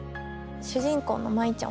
主人公の舞ちゃん